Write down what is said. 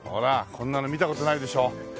こんなの見た事ないでしょ。